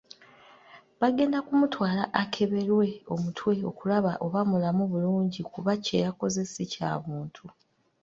Bagenda kumutwala akeberwe omutwe okulaba oba mulamu bulungi kuba kye yakoze ssi kya buntu.